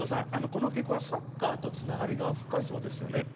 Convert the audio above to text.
この曲はサッカーと繋がりが深いそうですよね？